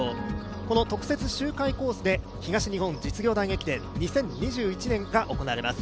この特設周回コースで、東日本実業団駅伝２０２１年が行われます。